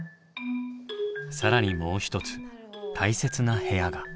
更にもう一つ大切な部屋が。